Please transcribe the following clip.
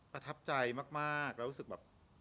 ประทับใจมากแล้วรู้สึกแบบ